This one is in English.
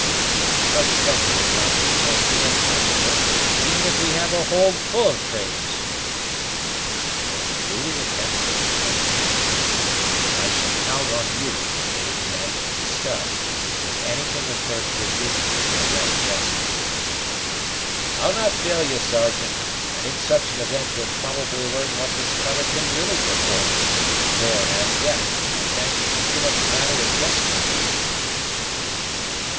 I trust supper is not to be overlooked, however, even if we have a hold full of traitors." "It will be duly attended to, brother Cap; but I shall count on you for aid in managing the Scud, should anything occur to induce me to arrest Jasper." "I'll not fail you, Sergeant; and in such an event you'll probably learn what this cutter can really perform; for, as yet, I fancy it is pretty much matter of guesswork."